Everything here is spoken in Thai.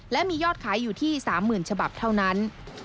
และมียอดขายอยู่ที่๓๐๐๐ฉบับเท่านั้น